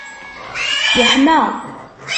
yeḥma?